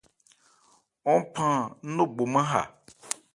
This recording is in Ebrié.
Ɔ́n phan ńnogbomán ha.